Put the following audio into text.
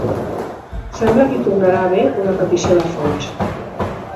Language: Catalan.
Sembla que hi tornarà a haver una petició de fons.